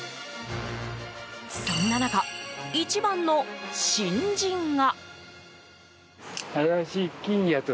そんな中、一番の新人が。